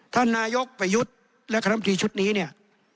ท่านนายกประยุทธ์และคณะมตรีชุดนี้เนี่ย